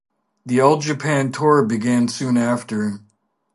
The all-Japan tour began soon after.